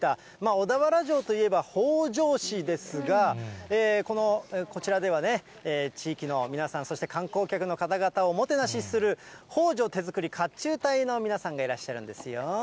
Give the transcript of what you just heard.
小田原城といえば、北條氏ですが、こちらではね、地域の皆さん、そして観光客の方々をおもてなしする、北條手作り甲冑隊の皆さんがいらっしゃるんですよ。